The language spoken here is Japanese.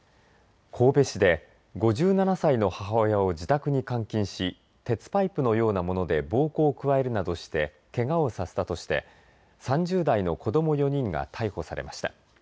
神戸市で５７歳の母親を自宅に監禁し鉄パイプのようなもので暴行を加えるなどしてけがをさせたとして３０代の子ども４人が逮捕されました。